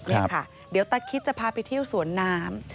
นี่ค่ะเดี๋ยวตาคิดจะพาไปเที่ยวสวนน้ำ